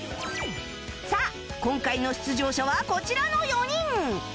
さあ今回の出場者はこちらの４人